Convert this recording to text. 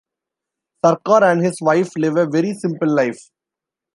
Sarkar and his wife live a very simple life.